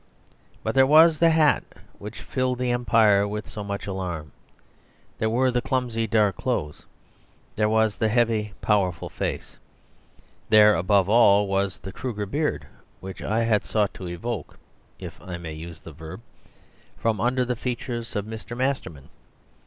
But there was the hat which filled the Empire with so much alarm; there were the clumsy dark clothes, there was the heavy, powerful face; there, above all, was the Kruger beard which I had sought to evoke (if I may use the verb) from under the features of Mr. Masterman.